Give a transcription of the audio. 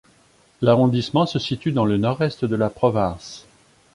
L’arrondissement se situe dans le Nord-Est de la province.